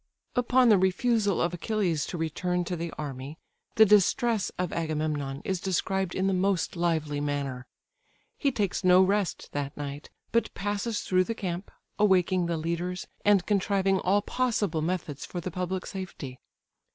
Upon the refusal of Achilles to return to the army, the distress of Agamemnon is described in the most lively manner. He takes no rest that night, but passes through the camp, awaking the leaders, and contriving all possible methods for the public safety.